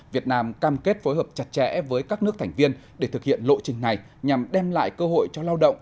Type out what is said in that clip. việt nam cam kết phối hợp chặt chẽ với các nước thành viên để thực hiện lộ trình này nhằm đem lại cơ hội cho lao động